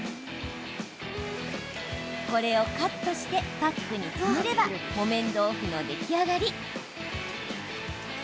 これをカットしてパックに詰めれば木綿豆腐の出来上がり。